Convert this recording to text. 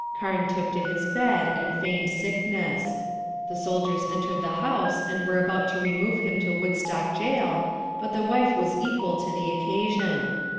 Karn took to his bed and feigned sickness. The soldiers entered the house, and were about to remove him to Woodstock jail; but the wife was equal to the occasion.